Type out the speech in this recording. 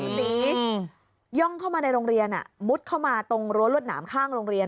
สีย่องเข้ามาในโรงเรียนมุดเข้ามาตรงรั้วรวดหนามข้างโรงเรียน